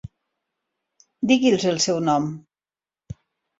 Digui'ls el seu nom?